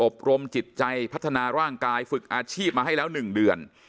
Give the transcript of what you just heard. รมจิตใจพัฒนาร่างกายฝึกอาชีพมาให้แล้ว๑เดือน